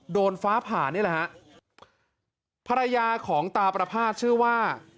โดนฟ้าผ่านี่แหละฮะภรรยาของตาประภาษณ์ชื่อว่า